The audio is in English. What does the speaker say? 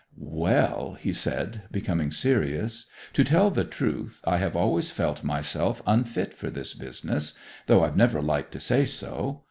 'Well,' he said, becoming serious, 'to tell the truth, I have always felt myself unfit for this business, though I've never liked to say so.